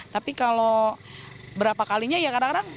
tapi kalau berapa kalinya ya kadang kadang